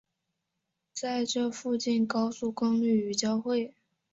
在这附近高速公路与交汇。